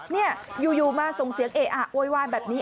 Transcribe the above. โดยยูยูมาส่งเสียงเออะอ้วยวายแบบนี้